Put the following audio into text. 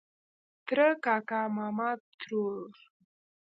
ترۀ کاکا ماما ترور